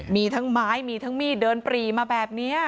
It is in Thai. มีทั้งไม้มีทั้งมีดเดินปรีมาแบบนี้